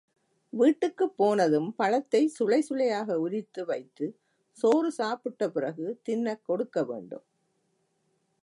வீட்டுக்குப் போனதும் பழத்தை சுளை சுளையாக உரித்து வைத்து, சோறு சாப்பிட்ட பிறகு தின்னக் கொடுக்க வேண்டும்.